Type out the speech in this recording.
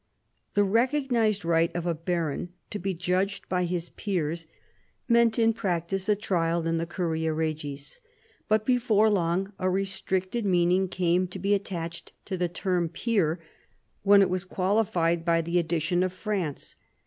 The recognised right of a baron to be judged by his peers meant in practice a trial in the curia regis. But before long a restricted meaning came to be attached to the term peer when it was qualified by the addition of France.